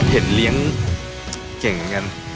เห็นเลี้ยงเก่งเหมือนกัน